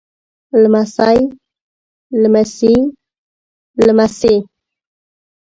لمسی لمسي لمسې